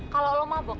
kalau lu mau